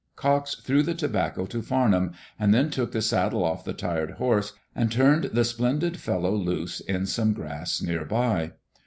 Cox threw the tobacco to Farnham, and then took the saddle off the tired horse and turned the splendid fellow loose in some grass near by.